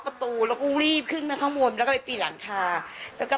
ประตูแล้วก็รีบขึ้นมาข้างบวมแล้วก็ไปปีนหลังคาแล้วก็